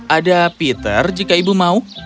ada peter jika ibu mau